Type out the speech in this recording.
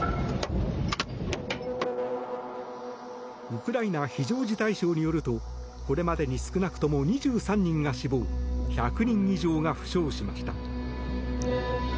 ウクライナ非常事態省によるとこれまでに少なくとも２３人が死亡１００人以上が負傷しました。